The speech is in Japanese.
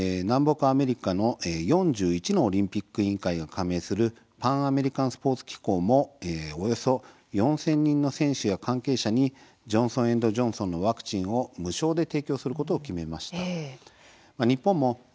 また南北アメリカの４１のオリンピック委員会が加盟するパンアメリカンスポーツ機構も先月およそ４０００人の選手や関係者にジョンソン・エンド・ジョンソンのワクチンを無償で提供することを決めました。